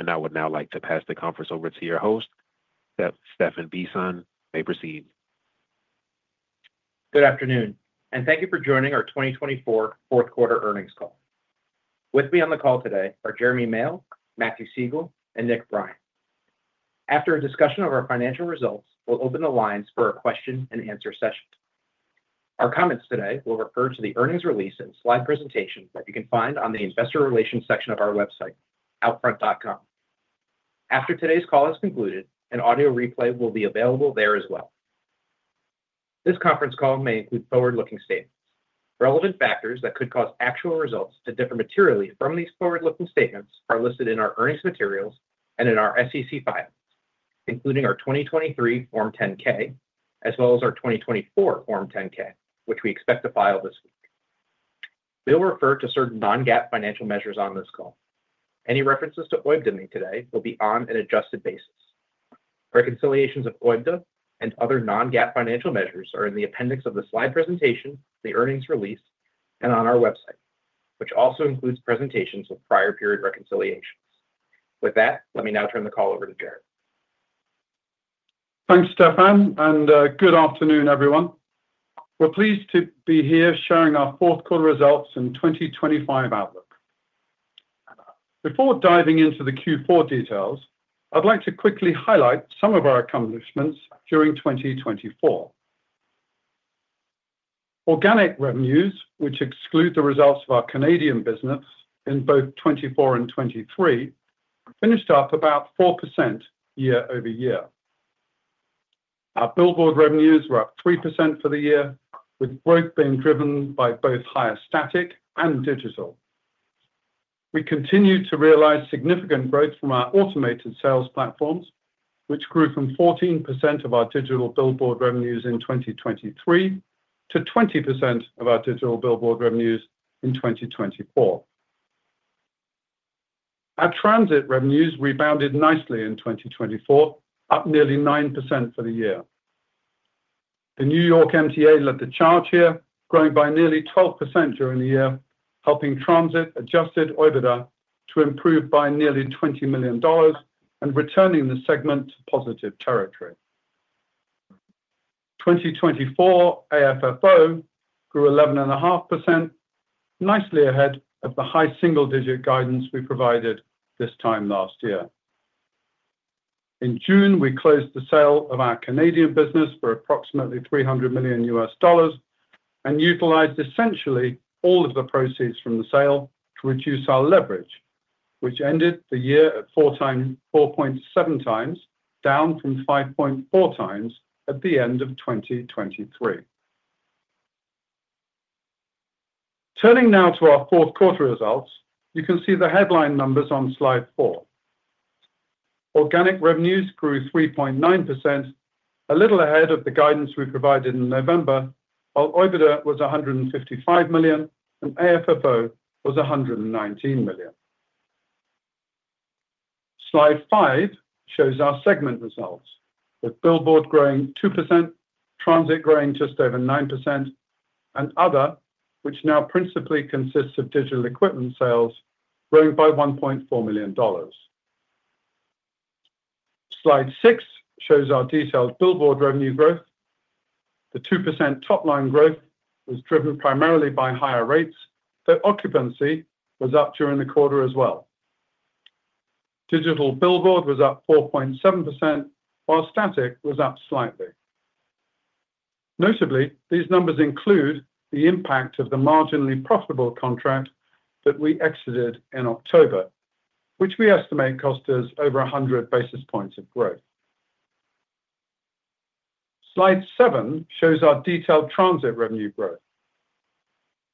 And I would now like to pass the conference over to your host, Stephan Bisson. May proceed. Good afternoon, and thank you for joining our 2024 fourth quarter earnings call. With me on the call today are Jeremy Male, Matthew Siegel, and Nick Brien. After a discussion of our financial results, we'll open the lines for a question and answer session. Our comments today will refer to the earnings release and slide presentation that you can find on the investor relations section of our website, outfront.com. After today's call is concluded, an audio replay will be available there as well. This conference call may include forward-looking statements. Relevant factors that could cause actual results to differ materially from these forward-looking statements are listed in our earnings materials and in our SEC filings, including our 2023 Form 10-K, as well as our 2024 Form 10-K, which we expect to file this week. We'll refer to certain non-GAAP financial measures on this call. Any references to OIBDA today will be on an adjusted basis. Reconciliations of OIBDA and other non-GAAP financial measures are in the appendix of the slide presentation, the earnings release, and on our website, which also includes presentations with prior period reconciliations. With that, let me now turn the call over to Jeremy. Thanks, Stephan, and good afternoon, everyone. We're pleased to be here sharing our fourth quarter results and 2025 outlook. Before diving into the Q4 details, I'd like to quickly highlight some of our accomplishments during 2024. Organic revenues, which exclude the results of our Canadian business in both 2024 and 2023, finished up about 4% year-over-year. Our billboard revenues were up 3% for the year, with growth being driven by both higher static and digital. We continue to realize significant growth from our automated sales platforms, which grew from 14% of our digital billboard revenues in 2023 to 20% of our digital billboard revenues in 2024. Our transit revenues rebounded nicely in 2024, up nearly 9% for the year. The New York MTA led the charge here, growing by nearly 12% during the year, helping transit adjusted OIBDA to improve by nearly $20 million and returning the segment to positive territory. 2024 AFFO grew 11.5%, nicely ahead of the high single-digit guidance we provided this time last year. In June, we closed the sale of our Canadian business for approximately $300 million and utilized essentially all of the proceeds from the sale to reduce our leverage, which ended the year at 4.7 times, down from 5.4 times at the end of 2023. Turning now to our fourth quarter results, you can see the headline numbers on slide 4. Organic revenues grew 3.9%, a little ahead of the guidance we provided in November, while OIBDA was $155 million and AFFO was $119 million. Slide 5 shows our segment results, with billboard growing 2%, transit growing just over 9%, and other, which now principally consists of digital equipment sales, growing by $1.4 million. Slide 6 shows our detailed billboard revenue growth. The 2% top-line growth was driven primarily by higher rates, though occupancy was up during the quarter as well. Digital billboard was up 4.7%, while static was up slightly. Notably, these numbers include the impact of the marginally profitable contract that we exited in October, which we estimate cost us over 100 basis points of growth. Slide 7 shows our detailed transit revenue growth.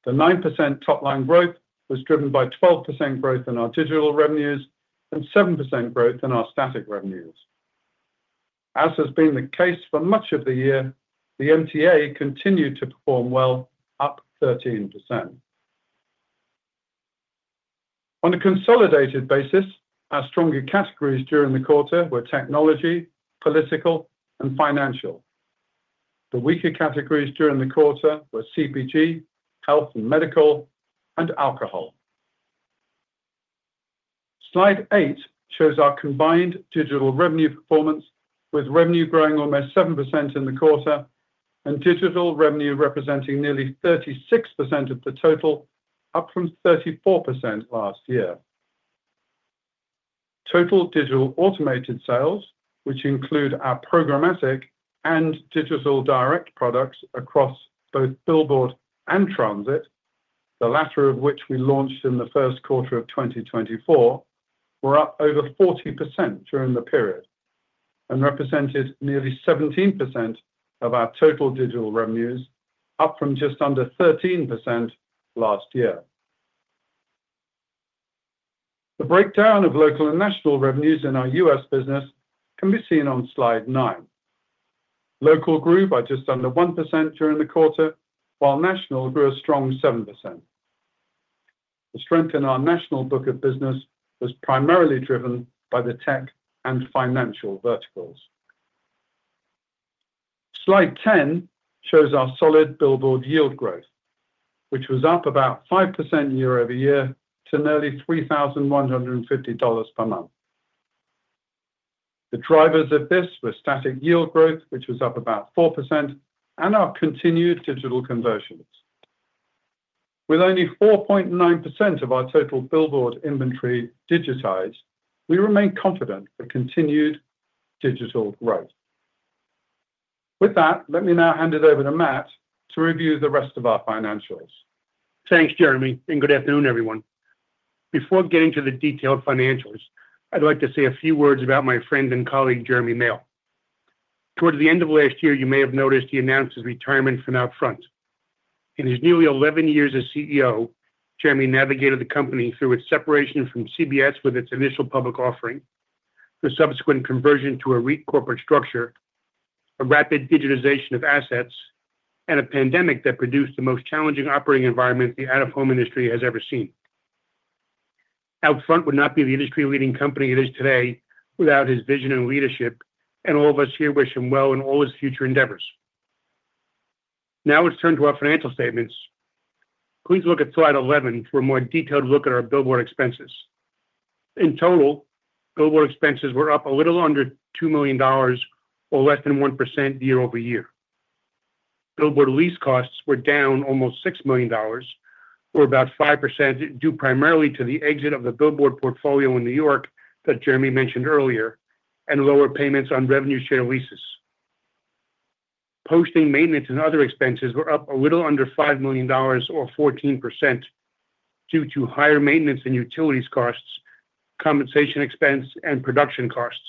The 9% top-line growth was driven by 12% growth in our digital revenues and 7% growth in our static revenues. As has been the case for much of the year, the MTA continued to perform well, up 13%. On a consolidated basis, our stronger categories during the quarter were technology, political, and financial. The weaker categories during the quarter were CPG, health and medical, and alcohol. Slide 8 shows our combined digital revenue performance, with revenue growing almost 7% in the quarter and digital revenue representing nearly 36% of the total, up from 34% last year. Total digital automated sales, which include our Programmatic and Digital Direct products across both billboard and transit, the latter of which we launched in the first quarter of 2024, were up over 40% during the period and represented nearly 17% of our total digital revenues, up from just under 13% last year. The breakdown of local and national revenues in our U.S. business can be seen on slide 9. Local grew by just under 1% during the quarter, while national grew a strong 7%. The strength in our national book of business was primarily driven by the tech and financial verticals. Slide 10 shows our solid billboard yield growth, which was up about 5% year-over-year to nearly $3,150 per month. The drivers of this were static yield growth, which was up about 4%, and our continued digital conversions. With only 4.9% of our total billboard inventory digitized, we remain confident for continued digital growth. With that, let me now hand it over to Matt to review the rest of our financials. Thanks, Jeremy, and good afternoon, everyone. Before getting to the detailed financials, I'd like to say a few words about my friend and colleague, Jeremy Male. Towards the end of last year, you may have noticed he announced his retirement from OUTFRONT. In his nearly 11 years as CEO, Jeremy navigated the company through its separation from CBS with its initial public offering, the subsequent conversion to a REIT corporate structure, a rapid digitization of assets, and a pandemic that produced the most challenging operating environment the out-of-home industry has ever seen. OUTFRONT would not be the industry-leading company it is today without his vision and leadership, and all of us here wish him well in all his future endeavors. Now it's time for our financial statements. Please look at slide 11 for a more detailed look at our billboard expenses. In total, billboard expenses were up a little under $2 million or less than 1% year-over-year. Billboard lease costs were down almost $6 million, or about 5%, due primarily to the exit of the billboard portfolio in New York that Jeremy mentioned earlier and lower payments on revenue share leases. Posting, maintenance, and other expenses were up a little under $5 million or 14% due to higher maintenance and utilities costs, compensation expense, and production costs.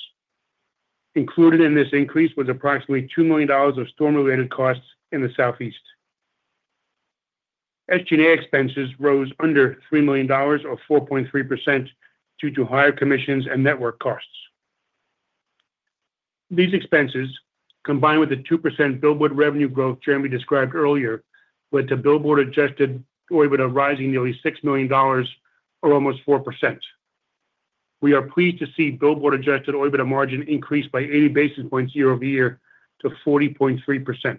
Included in this increase was approximately $2 million of storm-related costs in the Southeast. SG&A expenses rose under $3 million or 4.3% due to higher commissions and network costs. These expenses, combined with the 2% billboard revenue growth Jeremy described earlier, led to billboard-adjusted OIBDA rising nearly $6 million or almost 4%. We are pleased to see billboard-adjusted OIBDA margin increased by 80 basis points year-over-year to 40.3%.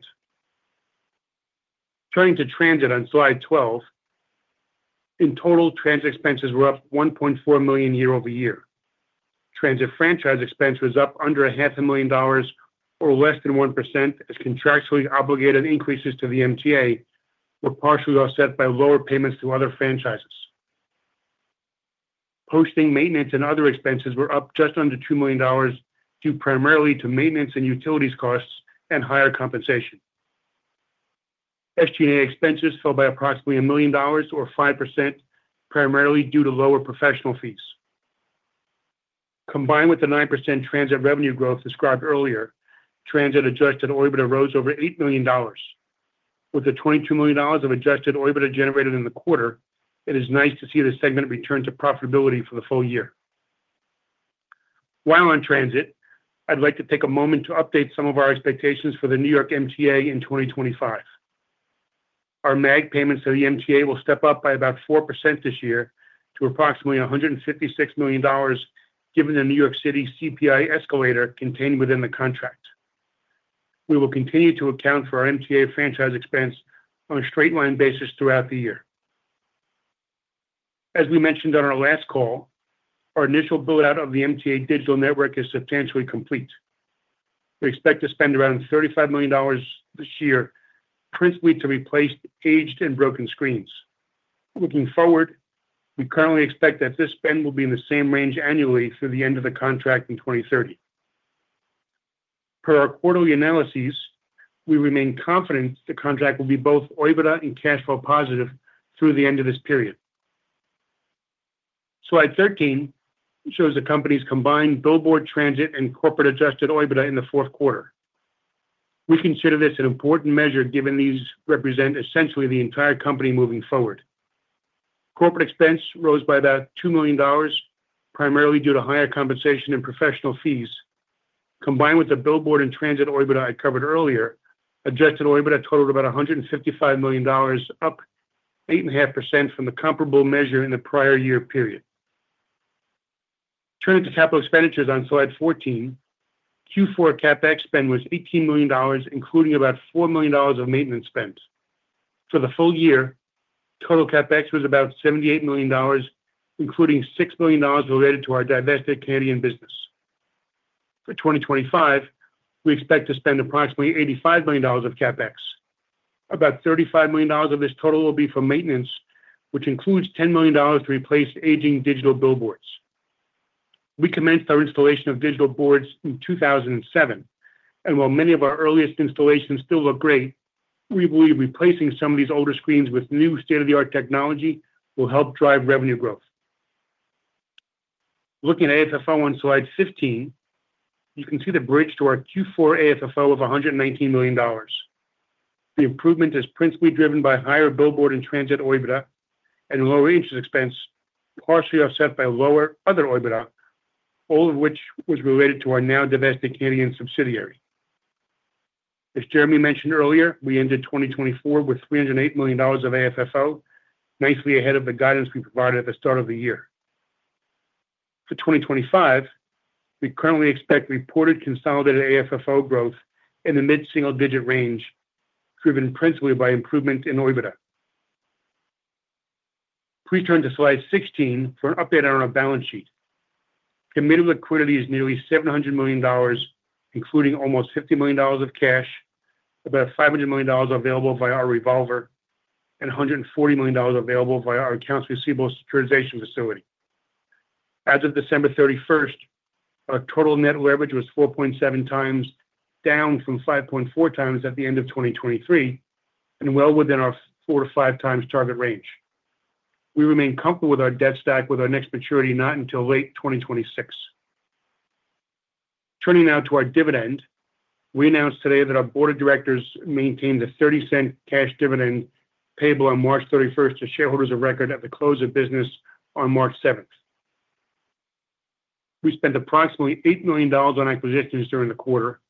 Turning to transit on Slide 12, in total, transit expenses were up $1.4 million year-over-year. Transit franchise expense was up under $500,000 or less than 1%, as contractually obligated increases to the MTA were partially offset by lower payments to other franchises. Posting, maintenance, and other expenses were up just under $2 million due primarily to maintenance and utilities costs and higher compensation. SG&A expenses fell by approximately $1 million or 5%, primarily due to lower professional fees. Combined with the 9% transit revenue growth described earlier, transit-adjusted OIBDA rose over $8 million. With the $22 million of adjusted OIBDA generated in the quarter, it is nice to see the segment return to profitability for the full year. While on transit, I'd like to take a moment to update some of our expectations for the New York MTA in 2025. Our MAG payments to the MTA will step up by about 4% this year to approximately $156 million, given the New York City CPI escalator contained within the contract. We will continue to account for our MTA franchise expense on a straight-line basis throughout the year. As we mentioned on our last call, our initial build-out of the MTA digital network is substantially complete. We expect to spend around $35 million this year, principally to replace aged and broken screens. Looking forward, we currently expect that this spend will be in the same range annually through the end of the contract in 2030. Per our quarterly analyses, we remain confident the contract will be both OIBDA and cash flow positive through the end of this period. Slide 13 shows the company's combined billboard transit and corporate-adjusted OIBDA in the fourth quarter. We consider this an important measure given these represent essentially the entire company moving forward. Corporate expense rose by about $2 million, primarily due to higher compensation and professional fees. Combined with the billboard and transit OIBDA I covered earlier, adjusted OIBDA totaled about $155 million, up 8.5% from the comparable measure in the prior year period. Turning to capital expenditures on slide 14, Q4 CapEx spend was $18 million, including about $4 million of maintenance spend. For the full year, total CapEx was about $78 million, including $6 million related to our divested Canadian business. For 2025, we expect to spend approximately $85 million of CapEx. About $35 million of this total will be for maintenance, which includes $10 million to replace aging digital billboards. We commenced our installation of digital boards in 2007, and while many of our earliest installations still look great, we believe replacing some of these older screens with new state-of-the-art technology will help drive revenue growth. Looking at AFFO on slide 15, you can see the bridge to our Q4 AFFO of $119 million. The improvement is principally driven by higher billboard and transit OIBDA and lower interest expense, partially offset by lower other OIBDA, all of which was related to our now divested Canadian subsidiary. As Jeremy mentioned earlier, we ended 2024 with $308 million of AFFO, nicely ahead of the guidance we provided at the start of the year. For 2025, we currently expect reported consolidated AFFO growth in the mid-single digit range, driven principally by improvement in OIBDA. Please turn to slide 16 for an update on our balance sheet. Committed liquidity is nearly $700 million, including almost $50 million of cash, about $500 million available via our revolver, and $140 million available via our accounts receivable securitization facility. As of December 31st, our total net leverage was 4.7 times, down from 5.4 times at the end of 2023, and well within our four to five times target range. We remain comfortable with our debt stack with our next maturity not until late 2026. Turning now to our dividend, we announced today that our board of directors maintained the $0.30 cash dividend payable on March 31st to shareholders of record at the close of business on March 7th. We spent approximately $8 million on acquisitions during the quarter,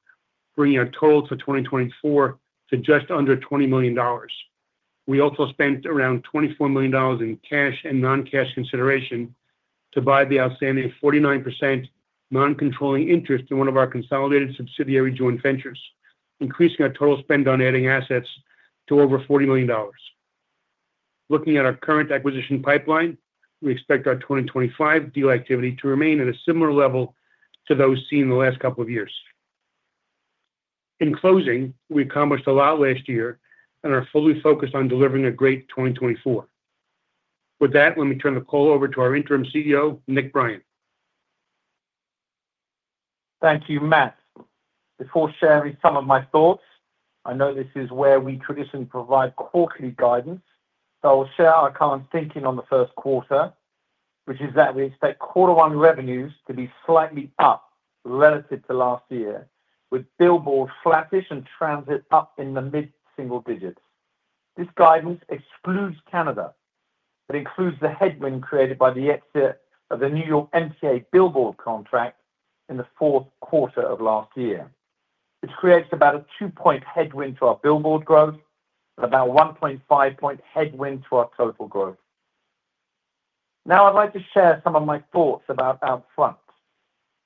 bringing our total for 2024 to just under $20 million. We also spent around $24 million in cash and non-cash consideration to buy the outstanding 49% non-controlling interest in one of our consolidated subsidiary joint ventures, increasing our total spend on adding assets to over $40 million. Looking at our current acquisition pipeline, we expect our 2025 deal activity to remain at a similar level to those seen in the last couple of years. In closing, we accomplished a lot last year and are fully focused on delivering a great 2024. With that, let me turn the call over to our Interim CEO, Nick Brien. Thank you, Matt. Before sharing some of my thoughts, I know this is where we traditionally provide quarterly guidance, so I will share our current thinking on the first quarter, which is that we expect quarter one revenues to be slightly up relative to last year, with billboard flattish and transit up in the mid-single digits. This guidance excludes Canada. It includes the headwind created by the exit of the New York MTA billboard contract in the fourth quarter of last year. It creates about a two point headwind to our billboard growth and about a 1.5-point headwind to our total growth. Now, I'd like to share some of my thoughts about OUTFRONT.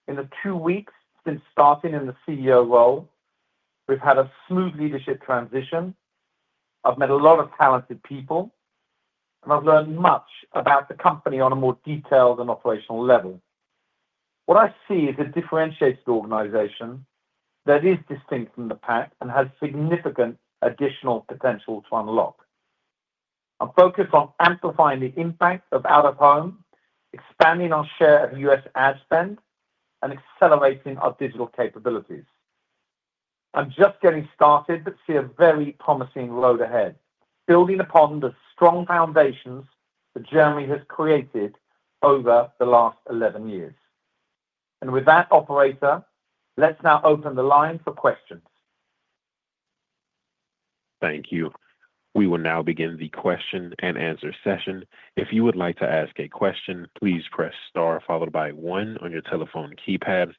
In the two weeks since starting in the CEO role, we've had a smooth leadership transition. I've met a lot of talented people, and I've learned much about the company on a more detailed and operational level. What I see is a differentiated organization that is distinct from the pack and has significant additional potential to unlock. I'm focused on amplifying the impact of out-of-home, expanding our share of U.S. ad spend, and accelerating our digital capabilities. I'm just getting started but see a very promising road ahead, building upon the strong foundations that Jeremy has created over the last 11 years. And with that, operator, let's now open the line for questions. Thank you. We will now begin the question-and-answer session. If you would like to ask a question, please press star followed by one on your telephone keypad.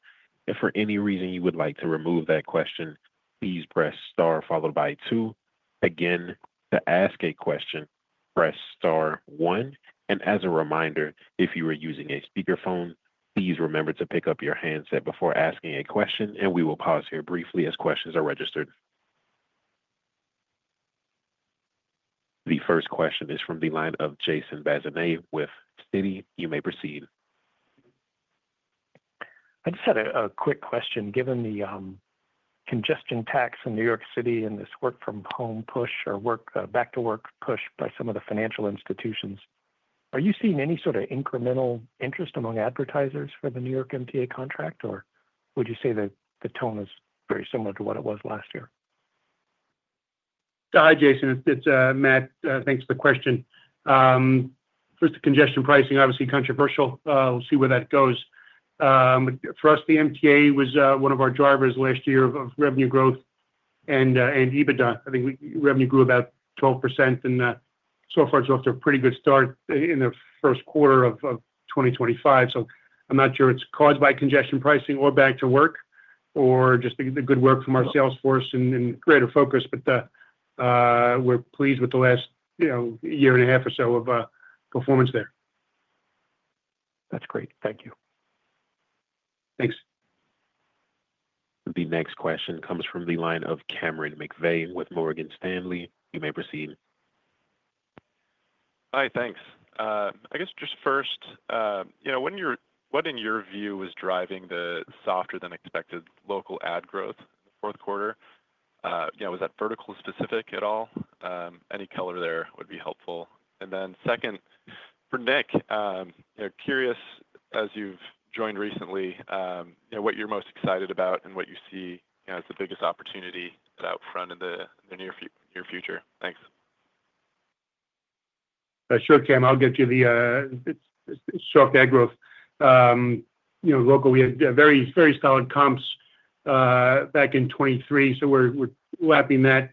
If for any reason you would like to remove that question, please press star followed by two. Again, to ask a question, press star one. And as a reminder, if you are using a speakerphone, please remember to pick up your handset before asking a question, and we will pause here briefly as questions are registered. The first question is from the line of Jason Bazinet with Citi. You may proceed. I just had a quick question. Given the congestion pricing in New York City and this work-from-home push or back-to-work push by some of the financial institutions, are you seeing any sort of incremental interest among advertisers for the New York MTA contract, or would you say that the tone is very similar to what it was last year? Hi, Jason. It's Matt. Thanks for the question. First, the congestion pricing, obviously controversial. We'll see where that goes. For us, the MTA was one of our drivers last year of revenue growth and EBITDA. I think revenue grew about 12%, and so far it's off to a pretty good start in the first quarter of 2025. So I'm not sure it's caused by congestion pricing or back-to-work or just the good work from our sales force and greater focus, but we're pleased with the last year and a half or so of performance there. That's great. Thank you. Thanks. The next question comes from the line of Cameron McVeigh with Morgan Stanley. You may proceed. Hi, thanks. I guess just first, what in your view was driving the softer-than-expected local ad growth in the fourth quarter? Was that vertical-specific at all? Any color there would be helpful. And then second, for Nick, curious, as you've joined recently, what you're most excited about and what you see as the biggest opportunity at OUTFRONT in the near future? Thanks. Sure, Cameron. I'll get you the soft ad growth. Local, we had very solid comps back in 2023, so we're lapping that,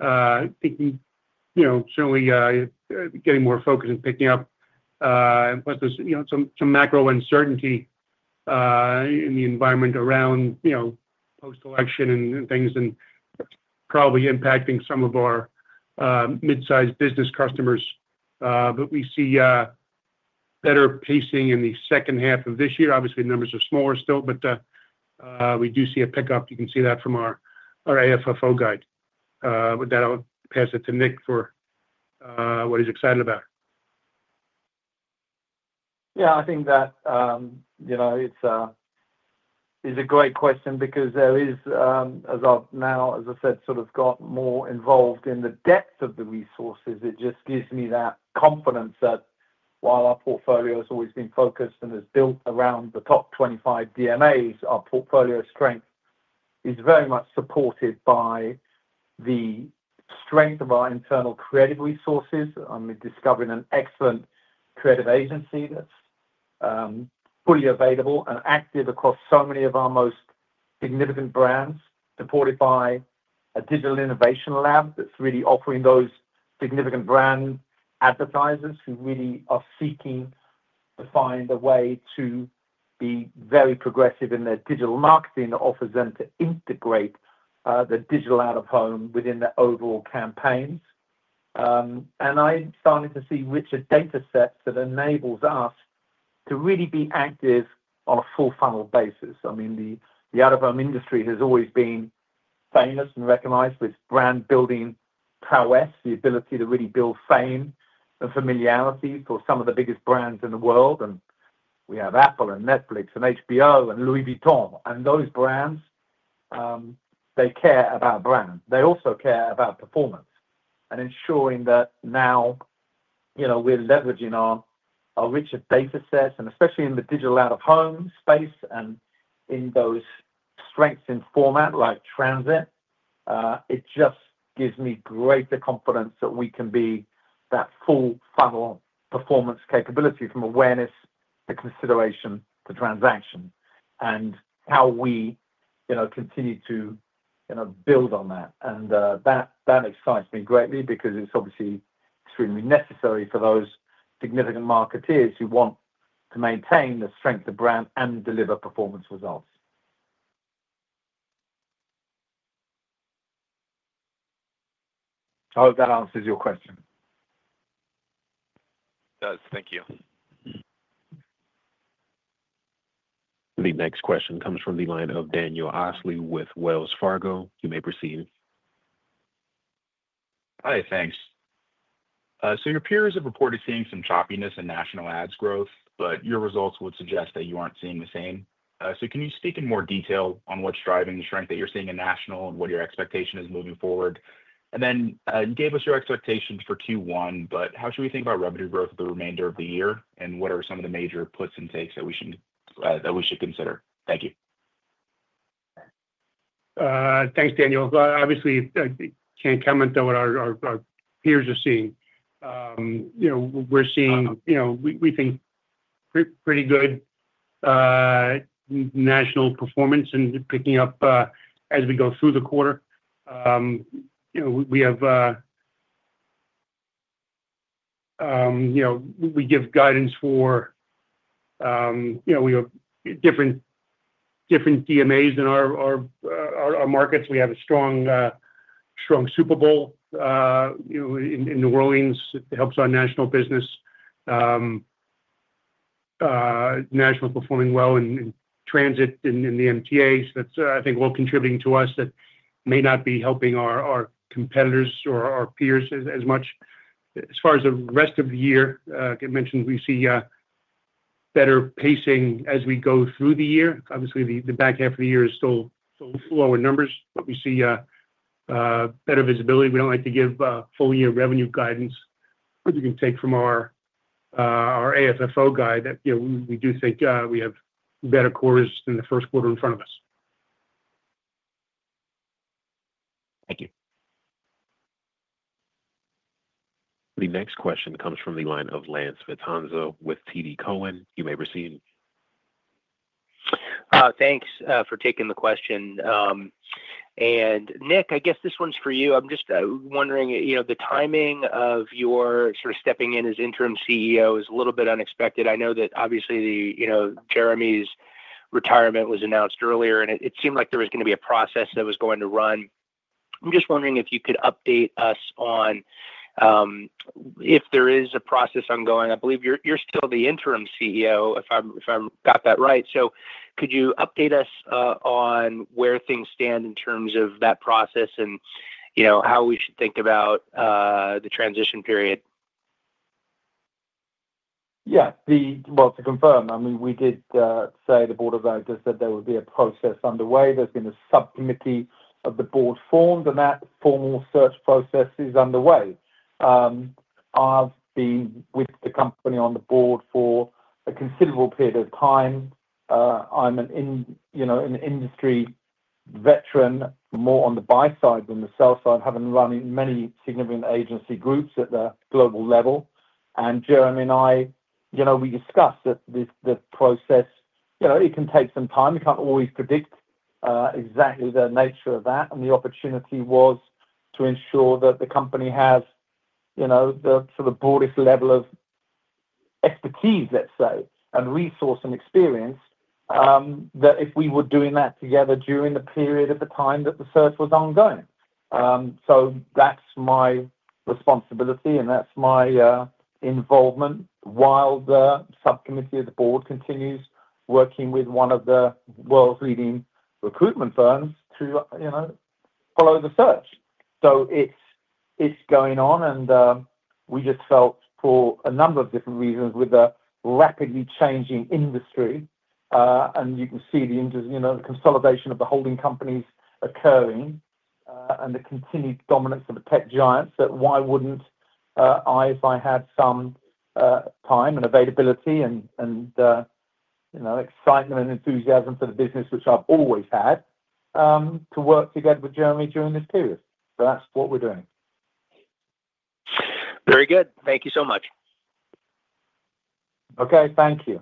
certainly getting more focus and picking up. Plus, there's some macro uncertainty in the environment around post-election and things and probably impacting some of our mid-sized business customers. But we see better pacing in the second half of this year. Obviously, numbers are smaller still, but we do see a pickup. You can see that from our AFFO guide. With that, I'll pass it to Nick for what he's excited about. Yeah, I think that it's a great question because there is, as I've now, as I said, sort of got more involved in the depth of the resources. It just gives me that confidence that while our portfolio has always been focused and is built around the top 25 DMAs, our portfolio strength is very much supported by the strength of our internal creative resources. I'm discovering an excellent creative agency that's fully available and active across so many of our most significant brands, supported by a digital innovation lab that's really offering those significant brand advertisers who really are seeking to find a way to be very progressive in their digital marketing that offers them to integrate the digital out-of-home within their overall campaigns. And I'm starting to see richer data sets that enables us to really be active on a full-funnel basis. I mean, the out-of-home industry has always been famous and recognized with brand-building prowess, the ability to really build fame and familiarity for some of the biggest brands in the world, and we have Apple and Netflix and HBO and Louis Vuitton, and those brands, they care about brand. They also care about performance and ensuring that now we're leveraging our richer data sets, and especially in the digital out-of-home space and in those strengths in format like transit. It just gives me greater confidence that we can be that full-funnel performance capability from awareness to consideration to transaction and how we continue to build on that, and that excites me greatly because it's obviously extremely necessary for those significant marketers who want to maintain the strength of brand and deliver performance results. I hope that answers your question. It does. Thank you. The next question comes from the line of Daniel Osley with Wells Fargo. You may proceed. Hi, thanks. So your peers have reported seeing some choppiness in national ads growth, but your results would suggest that you aren't seeing the same. So can you speak in more detail on what's driving the strength that you're seeing in national and what your expectation is moving forward? And then you gave us your expectations for Q1, but how should we think about revenue growth the remainder of the year, and what are some of the major puts and takes that we should consider? Thank you. Thanks, Daniel. Obviously, I can't comment on what our peers are seeing. We're seeing we think pretty good national performance and picking up as we go through the quarter. We give guidance for we have different DMAs in our markets. We have a strong Super Bowl in New Orleans. It helps our national business, national performing well in transit and in the MTA, so that's, I think, well contributing to us that may not be helping our competitors or our peers as much. As far as the rest of the year, I mentioned we see better pacing as we go through the year. Obviously, the back half of the year is still lower numbers, but we see better visibility. We don't like to give full-year revenue guidance, but you can take from our AFFO guide that we do think we have better quarters than the first quarter in front of us. Thank you. The next question comes from the line of Lance Vitanza with TD Cowen. You may proceed. Thanks for taking the question. And Nick, I guess this one's for you. I'm just wondering, the timing of your sort of stepping in as interim CEO is a little bit unexpected. I know that obviously Jeremy's retirement was announced earlier, and it seemed like there was going to be a process that was going to run. I'm just wondering if you could update us on if there is a process ongoing? I believe you're still the interim CEO, if I got that right? Could you update us on where things stand in terms of that process and how we should think about the transition period? Yeah. Well, to confirm, I mean, we did say the board of directors said there would be a process underway. There's been a subcommittee of the board formed, and that formal search process is underway. I've been with the company on the board for a considerable period of time. I'm an industry veteran, more on the buy side than the sell side, having run in many significant agency groups at the global level. And Jeremy and I, we discussed that the process, it can take some time. You can't always predict exactly the nature of that. And the opportunity was to ensure that the company has the sort of broadest level of expertise, let's say, and resource and experience that if we were doing that together during the period of the time that the search was ongoing. So that's my responsibility, and that's my involvement while the subcommittee of the board continues working with one of the world's leading recruitment firms to follow the search. So it's going on, and we just felt, for a number of different reasons, with the rapidly changing industry, and you can see the consolidation of the holding companies occurring and the continued dominance of the tech giants, that why wouldn't I, if I had some time and availability and excitement and enthusiasm for the business, which I've always had, to work together with Jeremy during this period? So that's what we're doing. Very good. Thank you so much. Okay. Thank you.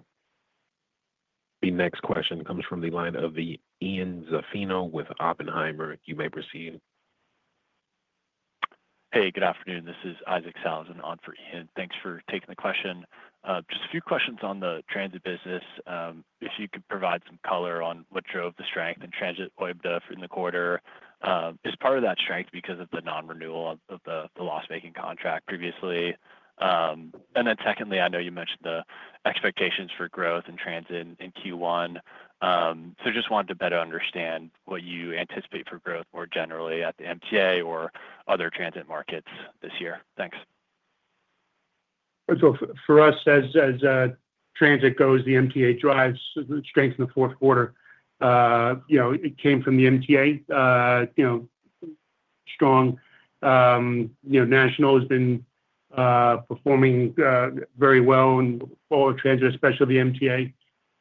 The next question comes from the line of Ian Zaffino with Oppenheimer. You may proceed. Hey, good afternoon. This is Isaac Sellhausen on for Ian Zaffino. Thanks for taking the question. Just a few questions on the transit business. If you could provide some color on what drove the strength in transit OIBDA in the quarter? Is part of that strength because of the non-renewal of the loss-making contract previously? And then secondly, I know you mentioned the expectations for growth in transit in Q1. So just wanted to better understand what you anticipate for growth more generally at the MTA or other transit markets this year. Thanks. For us, as transit goes, the MTA drives strength in the fourth quarter. It came from the MTA. Strong national has been performing very well in all of transit, especially the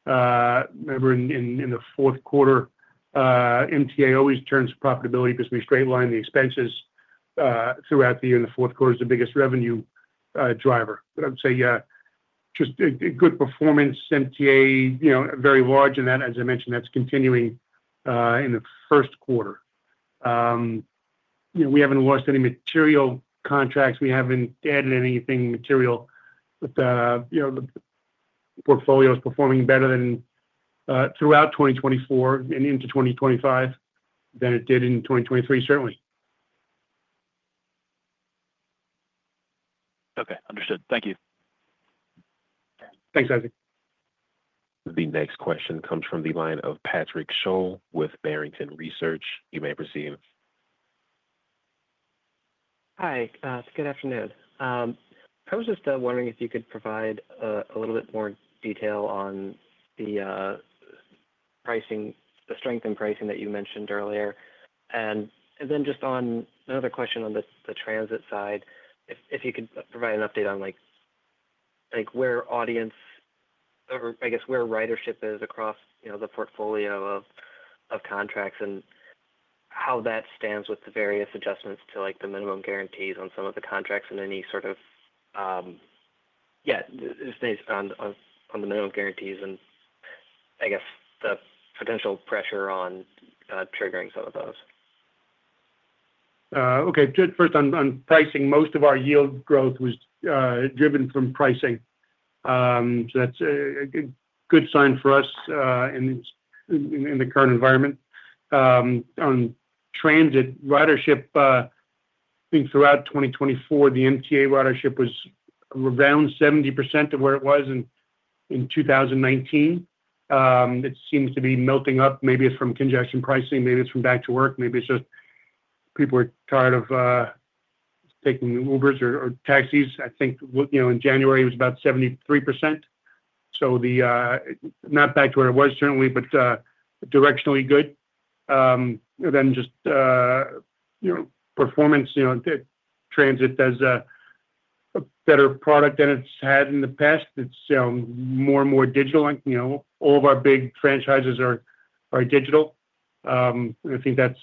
MTA. Remember, in the fourth quarter, MTA always turns profitability because we straight-line the expenses throughout the year. In the fourth quarter is the biggest revenue driver. But I would say just good performance, MTA, you know, very large, and that, as I mentioned, that's continuing in the first quarter. We haven't lost any material contracts. We haven't added anything material, but the portfolio is performing better throughout 2024 and into 2025 than it did in 2023, certainly. Okay. Understood. Thank you. Thanks, Isaac. The next question comes from the line of Patrick Sholl with Barrington Research. You may proceed. Hi. Good afternoon. I was just wondering if you could provide a little bit more detail on the strength in pricing that you mentioned earlier, and then just on another question on the transit side, if you could provide an update on where audience or, I guess, where ridership is across the portfolio of contracts and how that stands with the various adjustments to the minimum guarantees on some of the contracts and any sort of things on the minimum guarantees and, I guess, the potential pressure on triggering some of those. Okay. First, on pricing, most of our yield growth was driven from pricing. So that's a good sign for us in the current environment. On transit, ridership, I think throughout 2024, the MTA ridership was around 70% of where it was in 2019. It seems to be melting up. Maybe it's from congestion pricing. Maybe it's from back to work. Maybe it's just people are tired of taking Ubers or taxis. I think in January, it was about 73%. So not back to where it was, certainly, but directionally good. Then just performance. Transit has a better product than it's had in the past. It's more and more digital. All of our big franchises are digital. I think that's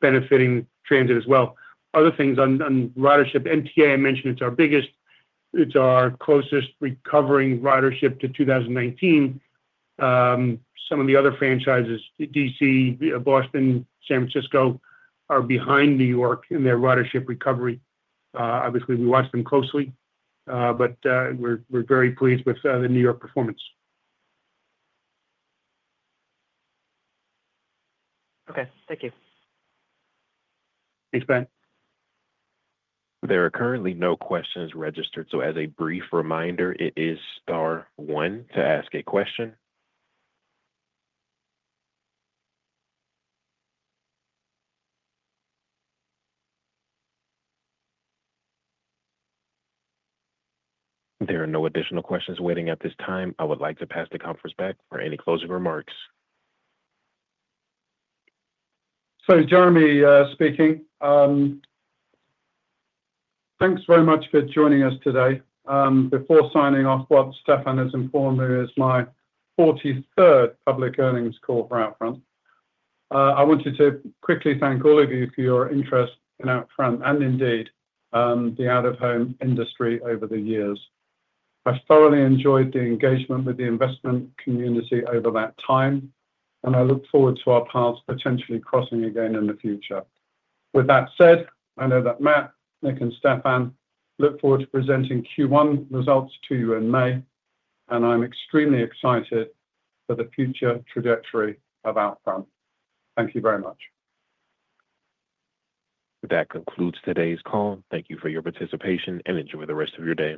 benefiting transit as well. Other things on ridership, MTA, I mentioned it's our biggest. It's our closest recovering ridership to 2019. Some of the other franchises, D.C., Boston, San Francisco, are behind New York in their ridership recovery. Obviously, we watch them closely, but we're very pleased with the New York performance. Okay. Thank you. Thanks. There are currently no questions registered. So as a brief reminder, it is star one to ask a question. There are no additional questions waiting at this time. I would like to pass the conference back for any closing remarks. Jeremy speaking. Thanks very much for joining us today. Before signing off, what Stephan has informed me is my 43rd public earnings call for OUTFRONT. I wanted to quickly thank all of you for your interest in OUTFRONT and indeed the out-of-home industry over the years. I thoroughly enjoyed the engagement with the investment community over that time, and I look forward to our paths potentially crossing again in the future. With that said, I know that Matt, Nick, and Stephan look forward to presenting Q1 results to you in May, and I'm extremely excited for the future trajectory of OUTFRONT. Thank you very much. That concludes today's call. Thank you for your participation and enjoy the rest of your day.